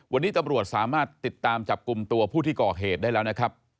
วันนี้ตำรวจสามารถติดตามจับกลุ่มตัวผู้ที่ก่อเหตุได้แล้วนะครับ